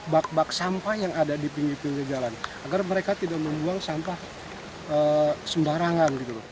bak bak sampah yang ada di pinggir pinggir jalan agar mereka tidak membuang sampah sembarangan